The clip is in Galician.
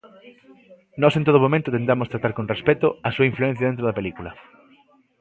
Nós en todo momento tentamos tratar con respecto a súa influencia dentro da película.